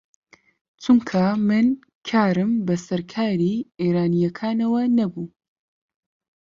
چونکە من کارم بە سەر کاری ئێرانییەکانەوە نەبوو